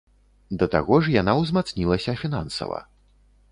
Да таго ж яна ўзмацнілася фінансава.